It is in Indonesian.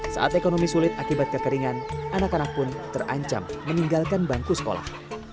saat ekonomi sulit akibat kekeringan anak anak pun terancam meninggalkan bangku sekolah